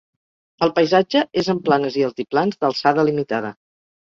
El paisatge és en planes i altiplans d'alçada limitada.